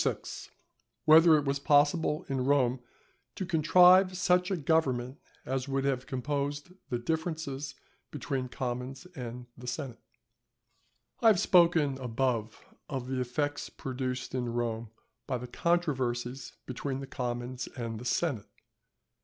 —_Whether it was possible in Rome to contrive such a Government as would have composed the Differences between the Commons and the Senate._ I have spoken above of the effects produced in Rome by the controversies between the commons and the senate.